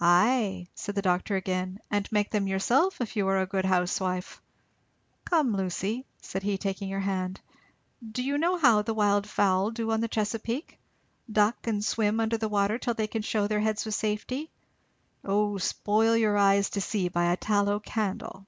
"Ay," said the doctor again, "and make them yourself if you are a good housewife. Come, Lucy," said he taking her hand, "do you know how the wild fowl do on the Chesapeake? duck and swim under water till they can shew their heads with safety? O spoil your eyes to see by a tallow candle."